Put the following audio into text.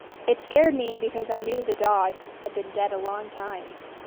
It scared me because I knew the dog had been dead a long time.